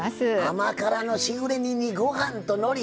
甘辛のしぐれ煮にご飯とのり。